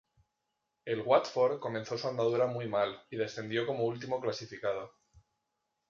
El Watford comenzó su andadura muy mal, y descendió como último clasificado.